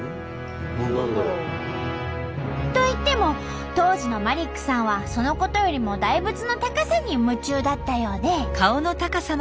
何だろう？といっても当時のマリックさんはそのことよりも大仏の高さに夢中だったようで。